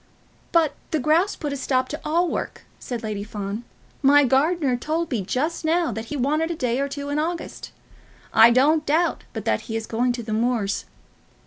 "But the grouse put a stop to all work," said Lady Fawn. "My gardener told me just now that he wanted a day or two in August. I don't doubt but that he is going to the moors.